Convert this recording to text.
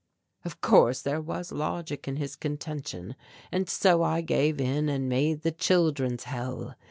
"Of course there was logic in his contention and so I gave in and made the Children's Hell.